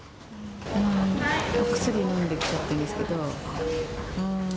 お薬飲んできちゃってるんですけど。